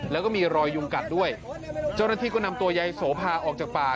แล้วก็มีรอยยุงกัดด้วยเจ้าหน้าที่ก็นำตัวยายโสภาออกจากป่า